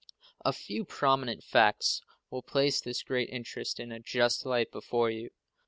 A few prominent facts will place this great interest in a just light before you.